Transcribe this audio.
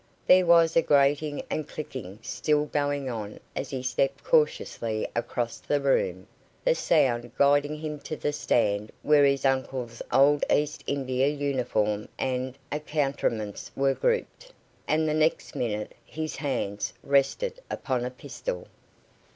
There was a grating and clicking still going on as he stepped cautiously across the room, the sound guiding him to the stand where his uncle's old East India uniform and accoutrements were grouped, and the next minute his hands rested upon a pistol.